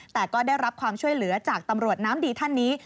แต่ก็ได้รับความช่วยเหลือจากตำรวจน้ำดีท่านนี้